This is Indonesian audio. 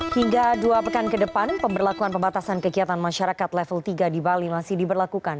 hingga dua pekan ke depan pemberlakuan pembatasan kegiatan masyarakat level tiga di bali masih diberlakukan